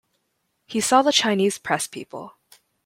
He saw the Chinese press people.